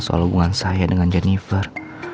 soal hubungan saya dengan jennifer